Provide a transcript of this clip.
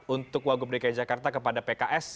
untuk wagub dki jakarta kepada pks